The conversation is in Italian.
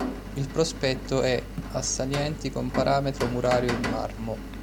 Il prospetto è a salienti con paramento murario in marmo.